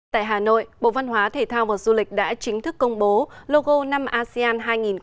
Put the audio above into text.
tại hà nội bộ văn hóa thể thao và du lịch đã chính thức công bố logo năm asean hai nghìn hai mươi